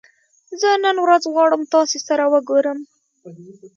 زه نن ورځ غواړم تاسې سره وګورم